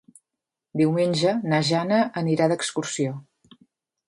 Diumenge na Jana anirà d'excursió.